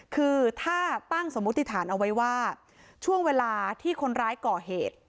คือถ้าตั้งสมมุติฐานเอาไว้ว่าช่วงเวลาที่คนร้ายก่อเหตุ